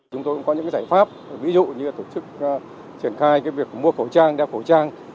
chúng tôi cũng có những giải pháp ví dụ như tổ chức triển khai việc mua khẩu trang đeo khẩu trang